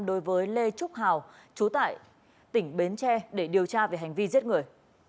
đối với lê trúc hào chú tại tỉnh bến tre để điều tra về hành vi giết người